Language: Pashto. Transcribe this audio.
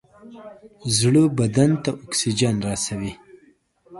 زړه بدن ته اکسیجن رسوي.